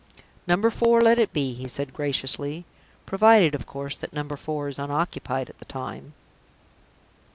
"Number Four let it be," he said, graciously. "Provided, of course, that Number Four is unoccupied at the time."